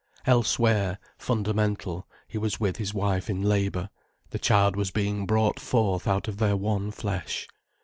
Elsewhere, fundamental, he was with his wife in labour, the child was being brought forth out of their one flesh.